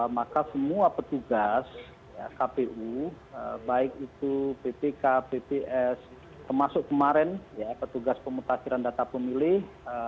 maka semua petugas kpu baik itu ppk pps termasuk kemarin ya petugas pemutakhiran data pemilih